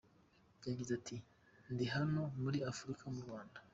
Yagize ati “Ndi hano muri Afuruka, mu Rwanda.